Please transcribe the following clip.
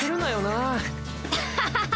アハハハ！